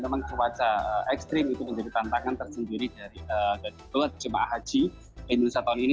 memang cuaca ekstrim itu menjadi tantangan tersendiri dari jemaah haji indonesia tahun ini